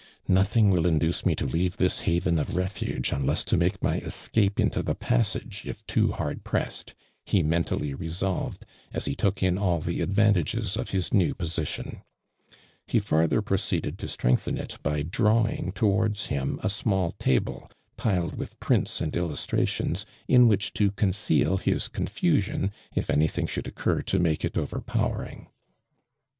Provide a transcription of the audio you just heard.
"Nothmg will induce me to leave this liftven of refuge, unless to make my escaj)o into the passage, if too haixl pressetl,'" lie mentally resolve*!, as he took in all the ad vantages of his new jiosition. He farthei' ]>roceeded to sti'engthen it by drawing towards him a small table piled with prims and illustrations in which to conceal his con fusion, if anything should occur to make it overpowering.